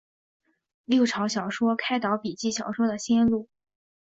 六朝小说开导笔记小说的先路。